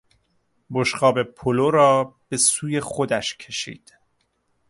بشقاب پلو را به سوی خودش کشید.